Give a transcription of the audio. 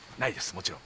もちろん。